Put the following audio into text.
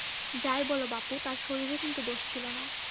যাই বল, বাপু, তার শরীরে কিন্তু দোষ ছিল না।